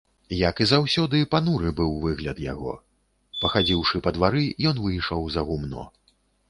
Як і заўсёды, пануры быў выгляд яго, пахадзіўшы па двары, ён выйшаў за гумно.